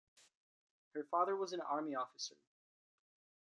Her father was an Army officer.